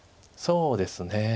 そうですね。